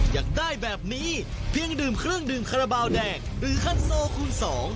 อยากได้แบบนี้เพียงดื่มเครื่องดื่มคาราบาลแดงหรือคันโซคูณสอง